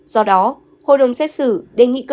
do đó hội đồng xét xử đề nghị cơ